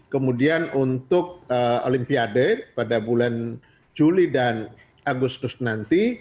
kemudian untuk olimpiade pada bulan juli dan agustus nanti